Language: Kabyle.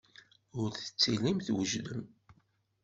Ur tettilim twejdem.